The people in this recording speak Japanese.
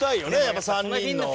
やっぱ３人の。